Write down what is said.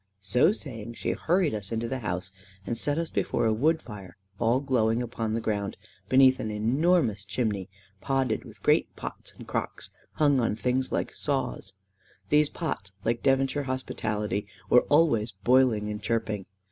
So saying, she hurried us into the house, and set us before a wood fire all glowing upon the ground, beneath an enormous chimney podded with great pots and crocks hung on things like saws. These pots, like Devonshire hospitality, were always boiling and chirping.